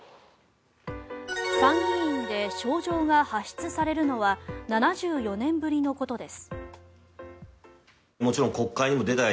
参議院で招状が発出されるのは７４年ぶりのことです。